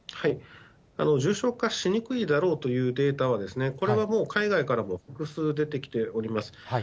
重症化しにくいだろうというデータは、これはもう海外からも複数出てきております。